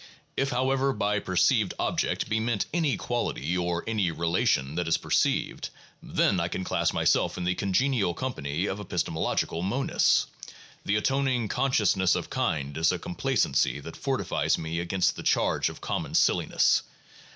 If however by per ceived object be meant any quality or any relation that is per ceived, then I can class myself in the congenial company of epistemological monists; the atoning 'consciousness of kind' is a complacency that fortifies me against the charge of common silliness.